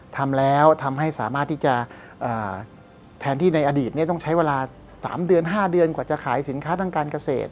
ทำแล้วทำให้สามารถที่จะแทนที่ในอดีตต้องใช้เวลา๓เดือน๕เดือนกว่าจะขายสินค้าทางการเกษตร